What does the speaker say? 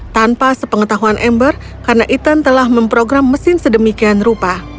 tanpa sepengetahuan ember karena ethan telah memprogram mesin sedemikian rupa